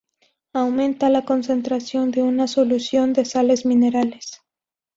Aumenta la concentración de una solución de sales minerales.